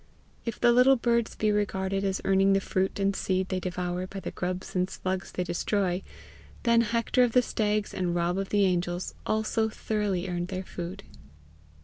If the little birds be regarded as earning the fruit and seed they devour by the grubs and slugs they destroy, then Hector of the Stags and Rob of the Angels also thoroughly earned their food.